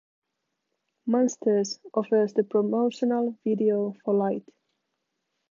"Monsters" offers the promotional video for "Light".